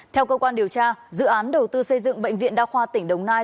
theo cơ quan điều tra dự án đầu tư xây dựng bệnh viện đa khoa tỉnh đồng nai